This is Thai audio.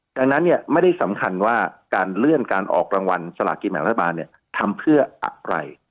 ดังนั้นเนี่ยไม่ได้สำคัญว่าการเลื่อนการออกรางวัลสลากินแบ่งรัฐบาลทำเพื่ออะไร